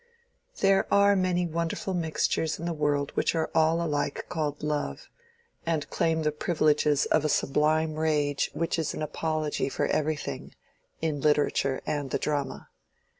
There are many wonderful mixtures in the world which are all alike called love, and claim the privileges of a sublime rage which is an apology for everything (in literature and the drama).